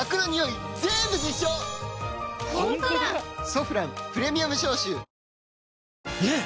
「ソフランプレミアム消臭」ねえ‼